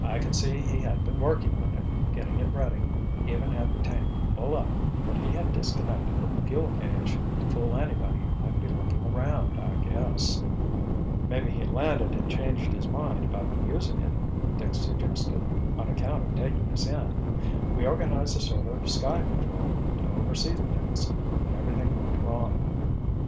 "I could see he had been working on it, getting it ready—even had the tank full up, but he had disconnected the fuel gauge to fool anybody who might be looking around, I guess." "Maybe he landed and changed his mind about using it," Dick suggested. "On account of taking us in—we organized a sort of Sky Patrol, to oversee things—but everything went wrong."